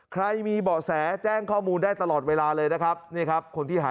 ใครมีเบาะแสแจ้งข้อมูลได้ตลอดเวลาเลยนะครับ